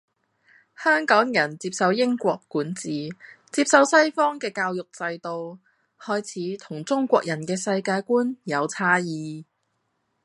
香港人接受英國管治，接受西方嘅教育制度，開始同中國人嘅世界觀有差異